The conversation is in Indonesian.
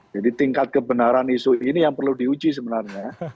jadi tingkat kebenaran isu ini yang perlu diuji sebenarnya